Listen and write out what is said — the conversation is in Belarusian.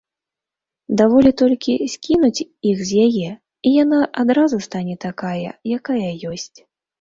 Даволі толькі скінуць іх з яе, і яна адразу стане такая, якая ёсць.